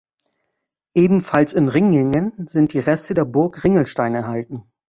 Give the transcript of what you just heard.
Ebenfalls in Ringingen sind die Reste der Burg Ringelstein erhalten.